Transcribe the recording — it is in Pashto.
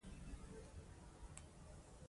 او ازاد سوچ خلاف سخته پراپېګنډه اوچلوله